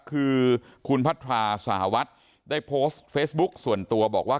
คือคุณพัทราสหรัฐได้โพสต์เฟซบุ๊คส่วนตัวบอกว่า